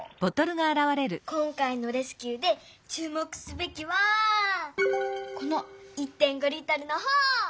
今回のレスキューでちゅう目すべきはこの１．５Ｌのほう！